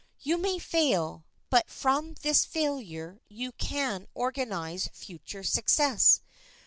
You may fail, but from this failure you can organize future success.